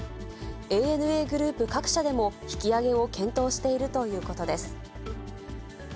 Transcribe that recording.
ＡＮＡグループ各社でも引き上げを検討しているということです。